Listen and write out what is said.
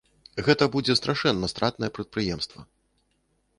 Гэта будзе страшэнна стратнае прадпрыемства.